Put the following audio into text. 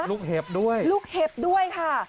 เห็บด้วยลูกเห็บด้วยค่ะ